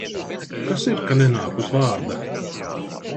Kas ir, ka nenāk uz vārda?